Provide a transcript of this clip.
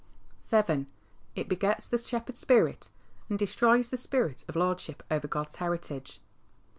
VII. It begets the shepherd spirit^ a 7 id destroys the spirit of lordship over God's heritage.